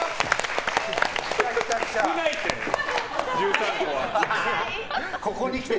少ないって！